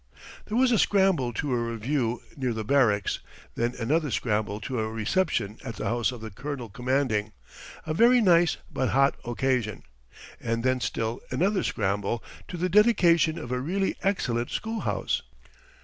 There was a scramble to a review near the barracks, then another scramble to a reception at the house of the colonel commanding a very nice but hot occasion and then still another scramble to the dedication of a really excellent schoolhouse.